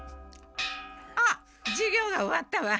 あっ授業が終わったわ。